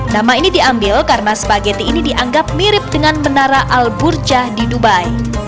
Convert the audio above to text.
nama ini diambil karena spageti ini dianggap mirip dengan menara al burjah di dubai